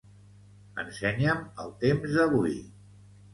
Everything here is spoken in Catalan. Ensenya'm el temps d'avui.